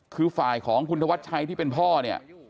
คือฝ่ายของคุณธวัชชัยที่เป็นพ่อเนี่ย